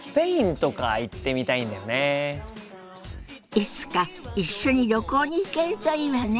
いつか一緒に旅行に行けるといいわね。